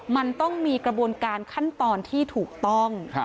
มันต้องมีกระบวนการขั้นตอนที่ถูกต้อง